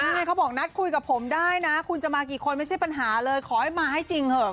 นี่เขาบอกนัดคุยกับผมได้นะคุณจะมากี่คนไม่ใช่ปัญหาเลยขอให้มาให้จริงเถอะ